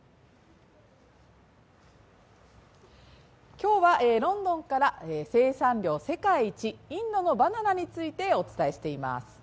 今日はロンドンから生産量世界一インドのバナナについてお伝えしています。